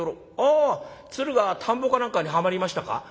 あ鶴が田んぼかなんかにはまりましたか？」。